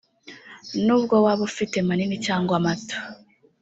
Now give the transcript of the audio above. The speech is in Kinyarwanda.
nubwo waba ufite manini cyangwa mato